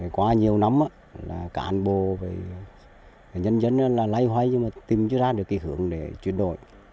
qua nhiều năm cả an bộ nhân dân lây hoay nhưng mà tìm ra được kỳ hưởng để chuyển đổi